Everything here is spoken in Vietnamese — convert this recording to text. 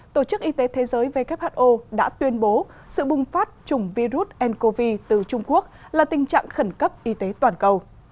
tổ chức y tế thế giới who đã tuyên bố sự bùng phát chủng virus ncov từ trung quốc là tình trạng khẩn cấp y tế toàn cầu